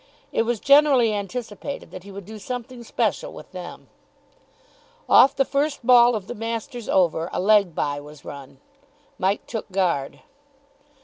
It was generally anticipated that he would do something special with them. Off the first ball of the master's over a leg bye was run. Mike took guard.